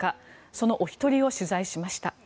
そのお一人を取材しました。